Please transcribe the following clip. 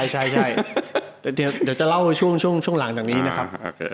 ใช่เดี๋ยวจะเล่าช่วงหลังจากนี้นะครับ